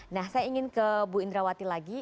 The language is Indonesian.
nah saya ingin ke bu indrawati lagi